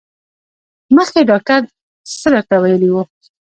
مخکې ډاکټر څه درته ویلي وو؟